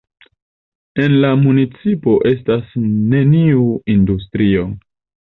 En la municipo estas neniu industrio.